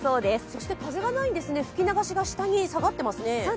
そして風がないんですね、吹き流しがしたにさがってますね。